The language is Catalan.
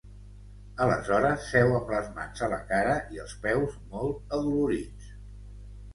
Aleshores seu amb les mans a la cara i els peus molt adolorits.